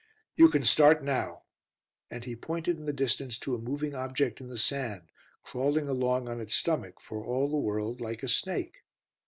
"You can start now," and he pointed in the distance to a moving object in the sand, crawling along on its stomach for all the world like a snake.